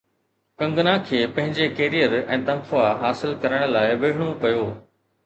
ڪنگنا کي پنهنجي ڪيريئر ۽ تنخواه حاصل ڪرڻ لاءِ وڙهڻو پيو